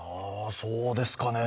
そうですかね